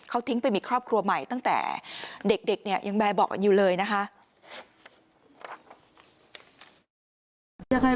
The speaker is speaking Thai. เขาทิ้งไปมีครอบครัวใหม่ตั้งแต่เด็กเนี่ยยังแบบเบาะอยู่เลยนะคะ